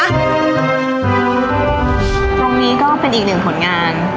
ตรงนี้ก็เป็นอีกหนึ่งผลงาน